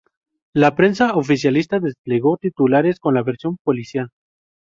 La prensa oficialista desplegó titulares con la versión policial.